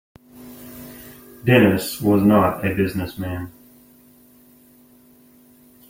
Dennis was not a business man.